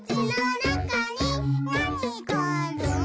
「なにがある？」